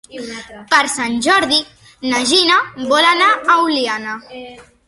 Per Sant Jordi na Gina vol anar a Oliana.